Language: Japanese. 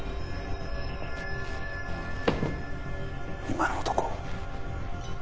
今の男。